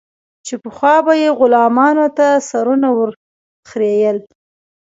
چې پخوا به یې غلامانو ته سرونه ور خرئېل.